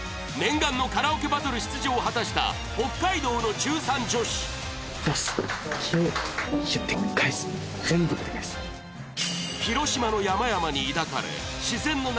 念願の「カラオケバトル」出場を果たした北海道の中３女子全部でかいすね。